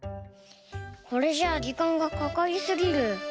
これじゃあじかんがかかりすぎる。